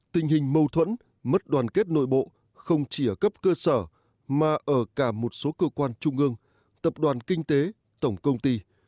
tình hình mâu thuẫn mất đoàn kết nội bộ không chỉ ở cấp cơ sở mà ở cả một số cơ quan trung ương tập đoàn kinh tế tổng công ty